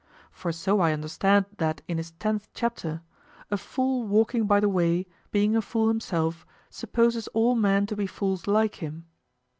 For so I understand that in his tenth chapter, "A fool walking by the way, being a fool himself, supposes all men to be fools like him."